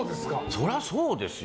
そりゃそうでしょ。